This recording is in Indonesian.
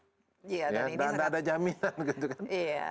dan tidak ada jaminan